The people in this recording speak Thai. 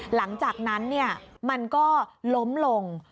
หลังจากนั้นมันก็ล้มลง